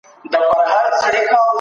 پرېکړي په کوم اساس کېږي؟